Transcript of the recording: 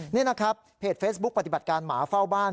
นี่นะครับเพจเฟซบุ๊คปฏิบัติการหมาเฝ้าบ้าน